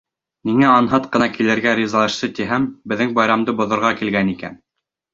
Ниңә анһат ҡына килергә ризалашты тиһәм, беҙҙең байрамды боҙорға килгән икән.